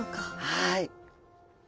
はい。